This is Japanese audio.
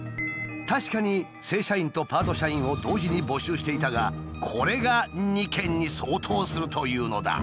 確かに正社員とパート社員を同時に募集していたがこれが２件に相当するというのだ。